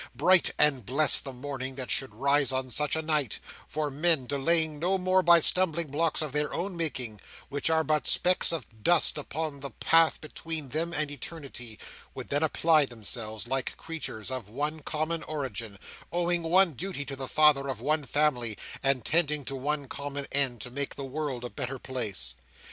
Bright and blest the morning that should rise on such a night: for men, delayed no more by stumbling blocks of their own making, which are but specks of dust upon the path between them and eternity, would then apply themselves, like creatures of one common origin, owing one duty to the Father of one family, and tending to one common end, to make the world a better place!